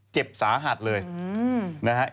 เจ็บสาหัสเลยนะฮะ